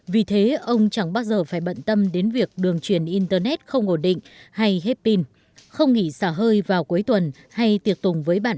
vì thế ông chẳng bao giờ phải bận tâm đến việc đường truyền internet không ổn định hay hết pin không nghỉ xả hơi vào cuối tuần hay tiệc tùng với bản